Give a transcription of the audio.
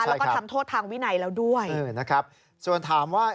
ใช่ค่ะแล้วก็ทำโทษทางวินัยเราด้วยนะครับส่วนถามว่า